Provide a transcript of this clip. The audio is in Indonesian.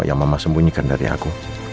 yang mama sembunyikan dari aku